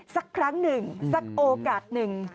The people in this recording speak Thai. สักครั้งหนึ่งสักโอกาสหนึ่ง